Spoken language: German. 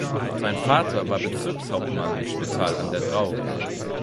Sein Vater war Bezirkshauptmann in Spittal an der Drau.